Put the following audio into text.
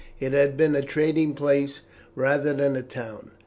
It had been a trading place rather than a town.